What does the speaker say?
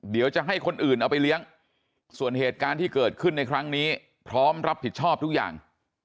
เดี๋ยวจะให้คนอื่นเอาไปเลี้ยงส่วนเหตุการณ์ที่เกิดขึ้นในครั้งนี้พร้อมรับผิดชอบทุกอย่าง